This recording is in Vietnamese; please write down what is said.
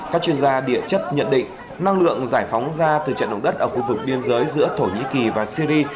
các chuyên gia địa chất nhận định năng lượng giải phóng ra từ trận động đất ở khu vực biên giới giữa thổ nhĩ kỳ và syri